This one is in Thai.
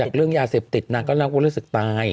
จากเรื่องยาเสพติดนะก็เราก็เลือกสิทธิ์ตาย